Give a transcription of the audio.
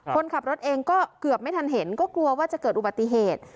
คนขับรถเองก็เกือบไม่ทันเห็นก็กลัวว่าจะเกิดอุบัติเหตุ